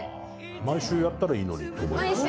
毎週やったらいいのにと思います。